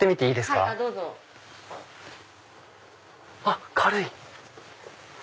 あっ軽い！